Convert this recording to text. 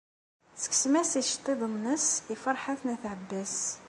Tekksem-as iceḍḍiḍen-nnes i Ferḥat n At Ɛebbas.